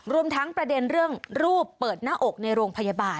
รวมทั้งประเด็นเรื่องรูปเปิดหน้าอกในโรงพยาบาล